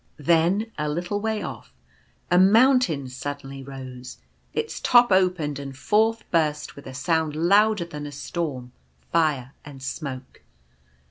Then, a little way off, a moun tain suddenly rose ; its top opened, and forth burst, with a sound louder than a storm, fire and smoke.